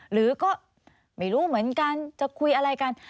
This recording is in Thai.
หรือก็ไม่รู้เหมือนกันจะคุยอะไรกัน